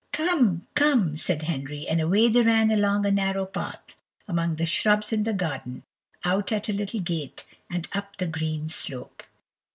"Come, come," said Henry, and away they ran along a narrow path, among the shrubs in the garden, out at a little gate, and up the green slope.